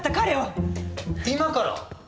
今から？